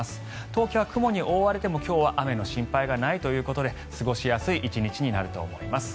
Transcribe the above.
東京は雲に覆われても、今日は雨の心配がないということで過ごしやすい１日になると思います。